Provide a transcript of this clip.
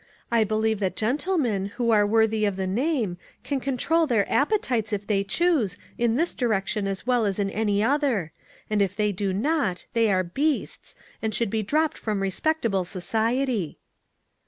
I believe that gentlemen, who are worthy of the name, can control their ap petites, if they choose, in this direction as well as in any other ; and if they do not, they are beasts, and should be dropped from respectable society."